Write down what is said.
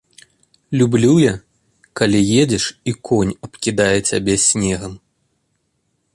Люблю я, калі едзеш і конь абкідае цябе снегам.